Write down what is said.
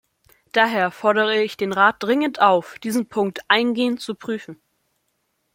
Daher fordere ich den Rat dringend auf, diesen Punkt eingehend zu prüfen.